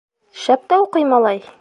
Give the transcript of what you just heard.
Шәп тә уҡый, малай.